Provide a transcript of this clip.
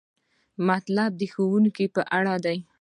مطلب د ښوونکي په اړه دی.